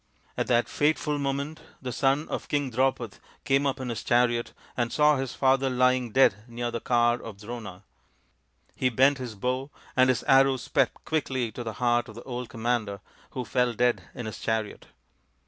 At that fateful moment the son of King Draupad came up in his chariot and saw his father lying dead near the car of Drona. He bent his bow, and his arrow sped quickly to the heart of the old commander, who fell dead in his chariot.